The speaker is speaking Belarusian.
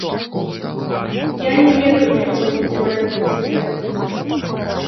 Я не ведаю, што мы будзем рабіць цяпер.